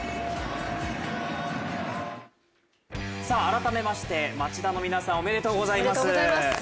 改めまして、町田の皆さんおめでとうございます。